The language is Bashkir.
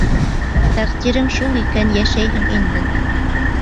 Тәҡдирең шул икән, йәшәйһең инде.